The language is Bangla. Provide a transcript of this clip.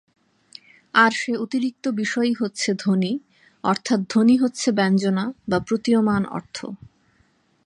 আর সে অতিরিক্ত বিষয়ই হচ্ছে ধ্বনি, অর্থাৎ ‘ধ্বনি’ হচ্ছে ব্যঞ্জনা বা প্রতীয়মান অর্থ।